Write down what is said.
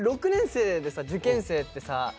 ６年生でさ受験生ってさ。